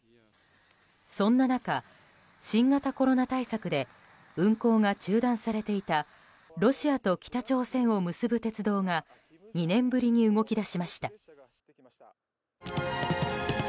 そんな中、新型コロナ対策で運行が中断されていたロシアと北朝鮮を結ぶ鉄道が２年ぶりに動き出しました。